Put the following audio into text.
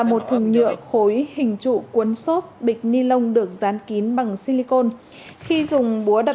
một thùng nhựa khối hình trụ cuốn xốp bịch ni lông được dán kín bằng silicon khi dùng búa đặc